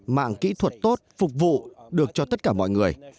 mạng kỹ thuật tốt phục vụ được cho tất cả mọi người